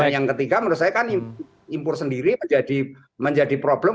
yang ketiga menurut saya kan impor sendiri menjadi problem